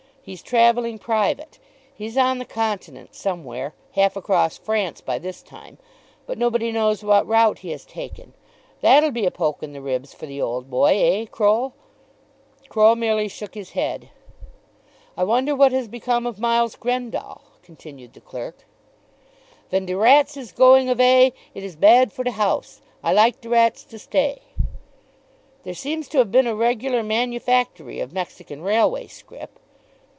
He's travelling private. He's on the continent somewhere, half across France by this time; but nobody knows what route he has taken. That'll be a poke in the ribs for the old boy; eh, Croll?" Croll merely shook his head. "I wonder what has become of Miles Grendall," continued the clerk. "Ven de rats is going avay it is bad for de house. I like de rats to stay." "There seems to have been a regular manufactory of Mexican Railway scrip."